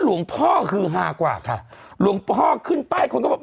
หลวงพ่อคือฮากว่าค่ะหลวงพ่อขึ้นป้ายคนก็บอก